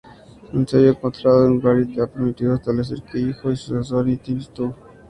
Un sello encontrado en Ugarit ha permitido establecer que hijo y sucesor de Ini-Tessub.